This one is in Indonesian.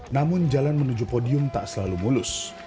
namun jalan menuju podium tak selalu mulus